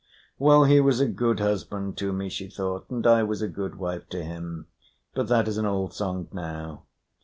"Well, he was a good husband to me," she thought, "and I was a good wife to him. But that is an old song now."